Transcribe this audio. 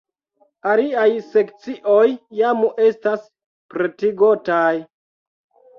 Aliaj sekcioj jam estas pretigotaj.